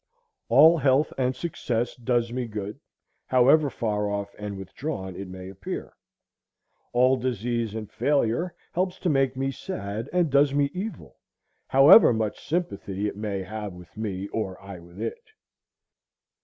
All health and success does me good, however far off and withdrawn it may appear; all disease and failure helps to make me sad and does me evil, however much sympathy it may have with me or I with it.